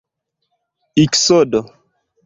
iksodo